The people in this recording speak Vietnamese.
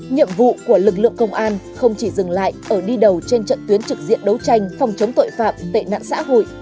nhiệm vụ của lực lượng công an không chỉ dừng lại ở đi đầu trên trận tuyến trực diện đấu tranh phòng chống tội phạm tệ nạn xã hội